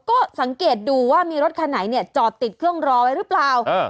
ก็สังเกตดูว่ามีรถคันไหนเนี่ยจอดติดเครื่องรอไว้หรือเปล่า